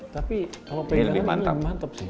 tapi kalau penggangan ini lebih mantap sih